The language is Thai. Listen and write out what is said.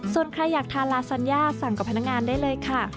ส่วนใครอยากทานลาซัญญาสั่งกับพนักงานได้เลยค่ะ